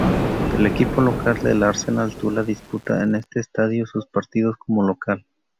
El equipo local del Arsenal Tula disputa en este estadio sus partidos como local.